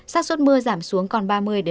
sát xuất mưa giảm xuống còn ba mươi ba mươi năm